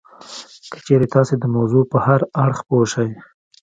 که چېرې تاسې د موضوع په هر اړخ پوه شئ